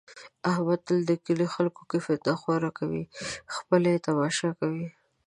احمد تل د کلي خلکو کې فتنه خوره کوي، خپله یې تماشا کوي.